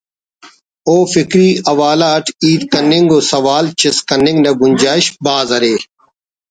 و فکری حوالہ اٹ ہیت کننگ و سوال چست کننگ نا گنجائش بھاز ارے